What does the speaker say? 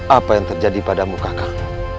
apa yang terjadi padamu kak nak